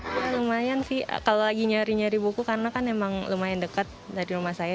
lumayan sih kalau lagi nyari nyari buku karena kan emang lumayan dekat dari rumah saya